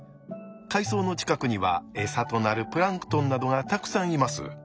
海藻の近くには餌となるプランクトンなどがたくさんいます。